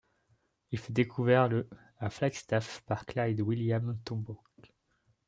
Il fut découvert le à Flagstaff par Clyde William Tombaugh.